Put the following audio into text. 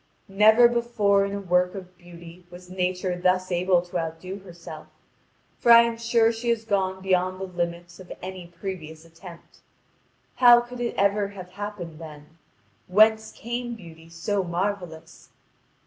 Never before in a work of beauty was Nature thus able to outdo herself, for I am sure she has gone beyond the limits of any previous attempt. How could it ever have happened then? Whence came beauty so marvellous?